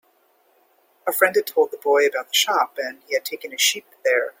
A friend had told the boy about the shop, and he had taken his sheep there.